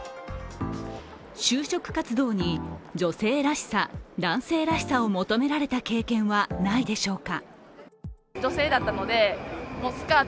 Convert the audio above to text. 就職活動に女性らしさ、男性らしさを求められた経験はないでしょうか。